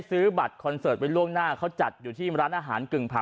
ซื้อบัตรคอนเสิร์ตไว้ล่วงหน้าเขาจัดอยู่ที่ร้านอาหารกึ่งเผา